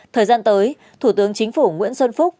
thời gian tới thủ tướng chính phủ nguyễn xuân phúc